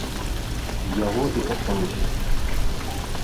З яго і пачалося.